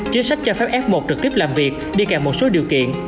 chính sách cho phép f một trực tiếp làm việc đi kèm một số điều kiện